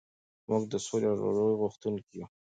موږ د سولې او ورورولۍ غوښتونکي یو.